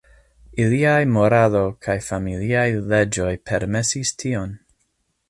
Iliaj moralo kaj familiaj leĝoj permesis tion.